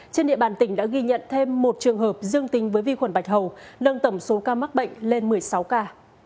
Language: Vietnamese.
trên địa bàn tỉnh đã ghi nhận thêm một trường hợp dương tính với vi khuẩn bạch hầu nâng tổng số ca mắc bệnh lên một mươi sáu ca